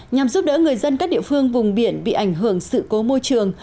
nhằm giúp đỡ người dân các địa phương vùng biển bị ảnh hưởng sự cố môi trường